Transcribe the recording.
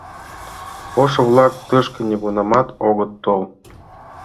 Ошо-влак тышке нигунамат огыт тол.